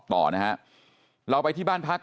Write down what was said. ต่อนะฮะเราไปที่บ้านพัก